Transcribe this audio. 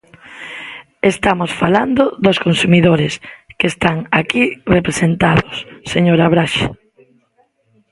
Estamos falando dos consumidores, que están aquí representados, señora Braxe.